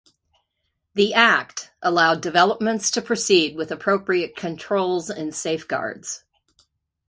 The Act allowed developments to proceed with appropriate controls and safeguards.